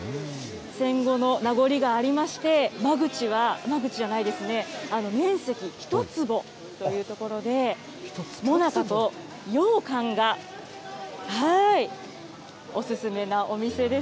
戦後の名残がありまして、間口は、間口じゃないですね、面積１坪というところで、もなかとようかんがお勧めなお店です。